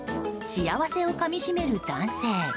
幸せをかみしめる男性。